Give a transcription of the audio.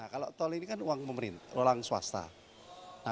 kalau tol ini kan uang pemerintah uang swasta